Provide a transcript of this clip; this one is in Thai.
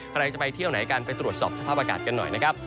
ใครจะไปเที่ยวไหนกันไปตรวจสอบสภาพอากาศกันหน่อยนะครับ